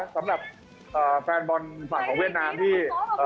สำหรับแฟนบอลฝั่งของเวียดนามที่